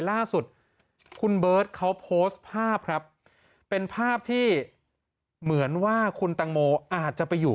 ล่าสุดคุณเบิร์ตเขาโพสต์ภาพครับเป็นภาพที่เหมือนว่าคุณตังโมอาจจะไปอยู่